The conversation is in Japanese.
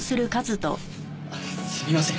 すみません。